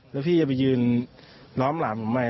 แล้วพี่จะไปยืนล้อมหลานผมใหม่